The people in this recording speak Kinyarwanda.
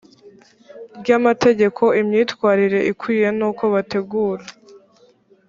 ry amategeko imyitwarire ikwiye n uko bategura